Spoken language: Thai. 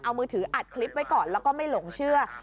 เอามือถืออัดคลิปไว้ก่อนแล้วก็ไม่หลงเชื่อ